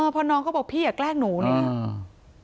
พอน้องเขาบอกพี่แกล้งหนูเนี่ย